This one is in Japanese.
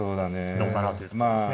どうかなというところですね。